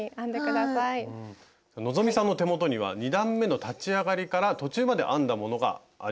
希さんの手元には２段めの立ち上がりから途中まで編んだものがあります。